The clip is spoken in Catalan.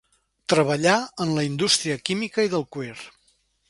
Treballà en la indústria química i del cuir.